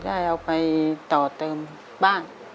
ได้เอาไปต่อเติมบ้าง